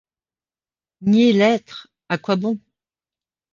Nier l’Être! à quoi bon?